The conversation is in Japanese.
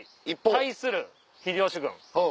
対する秀吉軍